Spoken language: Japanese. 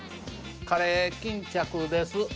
カレー巾着です。